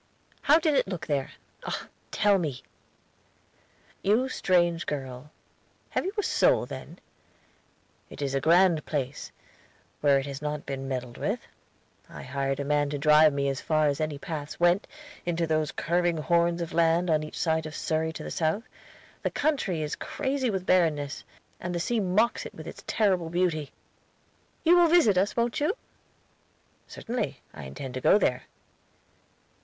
"How did it look there? Oh, tell me!" "You strange girl, have you a soul then? It is a grand place, where it has not been meddled with. I hired a man to drive me as far as any paths went, into those curving horns of land, on each side of Surrey to the south. The country is crazy with barrenness, and the sea mocks it with its terrible beauty." "You will visit us, won't you?" "Certainly; I intend to go there."